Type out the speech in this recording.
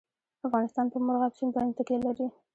افغانستان په مورغاب سیند باندې تکیه لري.